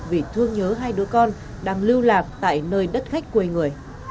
vì thương nhớ hai đứa con đang lưu lạc tại nơi đất khách quê người